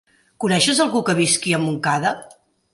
Coneixes algú que visqui a Montcada?